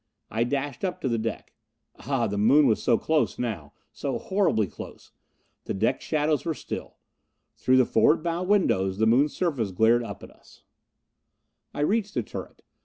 I dashed up to the deck. Ah, the Moon was so close now! So horribly close! The deck shadows were still. Through the forward bow windows the Moon surface glared up at us. I reached the turret.